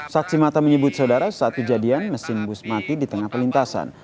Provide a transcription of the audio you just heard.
saksi mata menyebut saudara saat kejadian mesin bus mati di tengah pelintasan